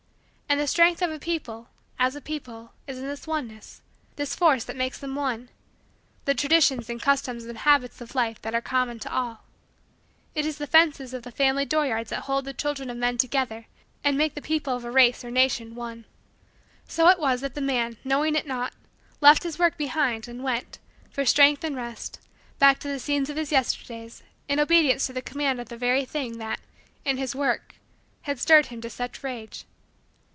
And the strength of a people, as a people, is in this oneness this force that makes them one the Traditions and customs and habits of life that are common to all. It is the fences of the family dooryards that hold the children of men together and make the people of a race or nation one. So it was that the man, knowing it not, left his work behind and went, for strength and rest, back to the scenes of his Yesterdays in obedience to the command of the very thing that, in his work, had stirred him to such rage.